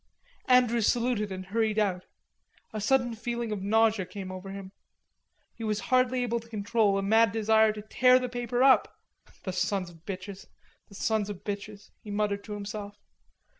Andrews saluted, and hurried out. A sudden feeling of nausea had come over him. He was hardly able to control a mad desire to tear the paper up. "The sons of bitches... the sons of bitches," he muttered to himself.